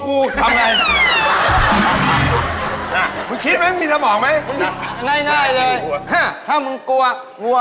คือถ้าถูกหวยเองจะซื้อกันหรืองั้น